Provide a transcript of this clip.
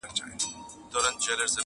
لا هم له پاڼو زرغونه پاته ده!!